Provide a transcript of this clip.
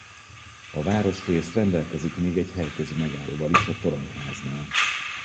A városrész rendelkezik még egy helyközi megállóval is a Toronyháznál.